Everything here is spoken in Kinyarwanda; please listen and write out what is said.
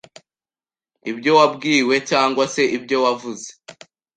ibyo wabwiwe cyangwa se ibyo wavuze.